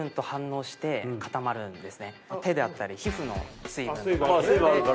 手であったり皮膚の水分で反応する。